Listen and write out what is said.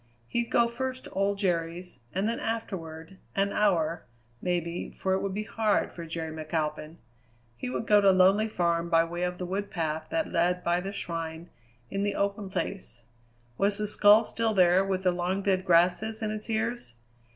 He'd go first to old Jerry's, and then afterward, an hour, maybe, for it would be hard for Jerry McAlpin he would go to Lonely Farm by way of the wood path that led by the shrine in the open place was the skull still there with the long dead grasses in its ears?